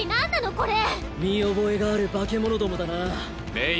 これ見覚えがある化けものどもだなレイ